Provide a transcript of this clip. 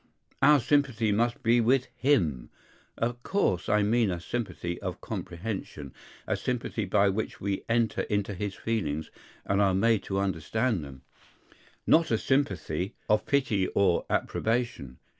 Our sympathy must be with him; (of course I mean a sympathy of comprehension, a sympathy by which we enter into his feelings, and are made to understand them, not a sympathy of pity or approbation.)